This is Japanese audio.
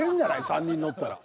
３人乗ったら。